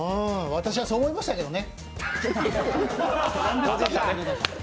私はそう思いましたけどね。